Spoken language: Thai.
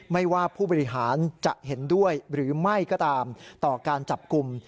ไม่ว่าผู้บริหารจะเห็นด้วยหรือไม่ก็ตามต่อการจับกลุ่ม